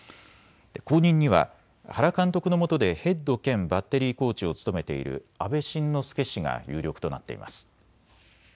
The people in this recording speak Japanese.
後任には原監督のもとでヘッド兼バッテリーコーチを務めている阿部慎之助氏が有力となっています。